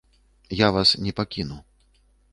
Я вас не пакіну.